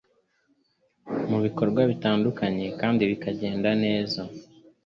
mu bikorwa bitandukanye kandi bikagenda neza.